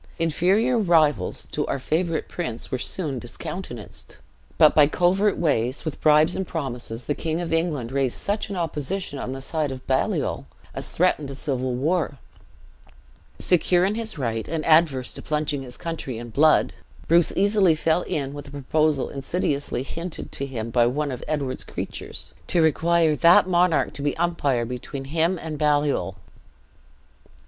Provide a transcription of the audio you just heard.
Inferior rivals to our favorite to our favorite prince were soon discountenanced; but by covert ways, with bribes and promises, the King of England raised such a opposition on the side of Baliol, as threatened a civil war. Secure in his right, and averse to plunging his country in blood, Bruce easily fell in with a proposal insidiously hinted to him by one of Edward's creatures 'to require that monarch to be umpire between him and Baliol.'